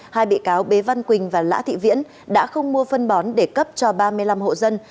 hai bị cáo bế văn quỳnh và lã thị viễn đã không mua phân bón để cấp cho ba mươi năm hộ dân